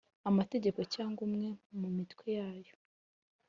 Amategeko cyangwa umwe mu Mitwe yayo